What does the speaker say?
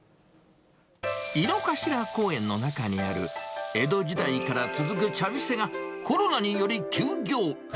井の頭公園の中にある江戸時代から続く茶店が、コロナにより休業。